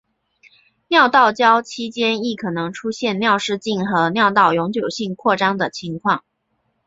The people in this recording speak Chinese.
尿道交期间亦可能出现尿失禁和尿道永久性扩张的情况。